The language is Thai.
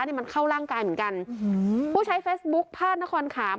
นี่มันเข้าร่างกายเหมือนกันผู้ใช้เฟซบุ๊คภาคนครขาม